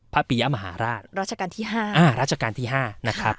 พระปียะมหาราชรัชกาลที่ห้าอ่ารัชกาลที่ห้านะครับ